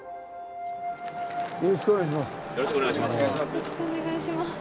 よろしくお願いします。